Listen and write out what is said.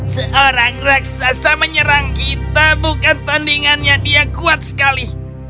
seorang raksasa menyerang kita bukan tandingannya dia kuat sekali